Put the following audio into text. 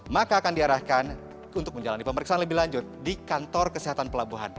maka akan diarahkan untuk menjalani pemeriksaan lebih lanjut di kantor kesehatan pelabuhan